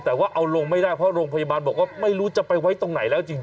เพราะโรงพยาบาลบอกว่าไม่รู้จะไปไว้ตรงไหนแล้วจริง